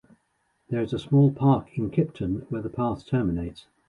There is a small park in Kipton where the path terminates.